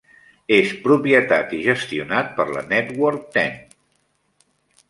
És propietat i gestionat per la Network Ten.